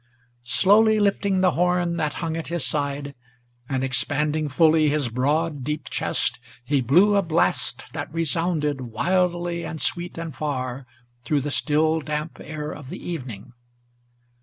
Slowly lifting the horn that hung at his side, and expanding Fully his broad, deep chest, he blew a blast, that resounded Wildly and sweet and far, through the still damp air of the evening.